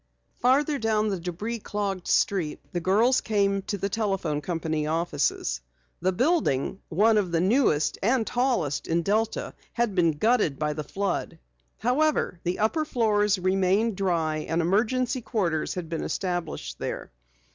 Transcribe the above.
Farther down the debris clogged street the girls came to the telephone company offices. The building, one of the newest and tallest in Delta, had been gutted by the flood. However, the upper floors remained dry and emergency quarters had been established there.